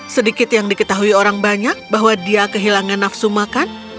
sedikit yang diketahui orang banyak bahwa dia kehilangan nafsu makan